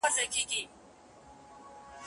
استاد د څيړني ستونزي څنګه حلوي؟